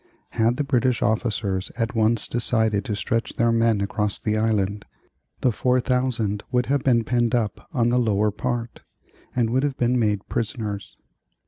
Had the British officers at once decided to stretch their men across the island, the 4,000 would have been penned up on the lower part and would have been made prisoners.